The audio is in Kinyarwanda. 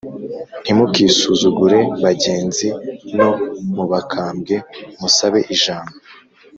Ntimukisuzugure bagenzi No mu bakambwe musabe ijambo